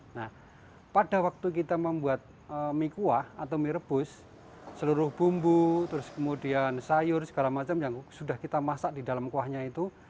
nah pada waktu kita membuat mie kuah atau mie rebus seluruh bumbu terus kemudian sayur segala macam yang sudah kita masak di dalam kuahnya itu